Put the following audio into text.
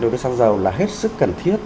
đối với xăng dầu là hết sức cần thiết